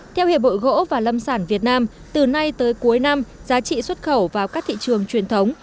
theo hiệp hội gỗ và lâm sản việt nam từ nay tới cuối năm giá trị xuất khẩu vào các thị trường truyền thống